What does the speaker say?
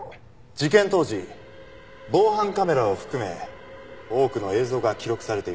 事件当時防犯カメラを含め多くの映像が記録されていました。